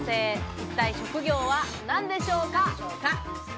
一体職業は何でしょうか？